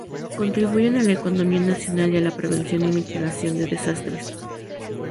Contribuyen a la economía nacional y a la prevención y mitigación de desastres.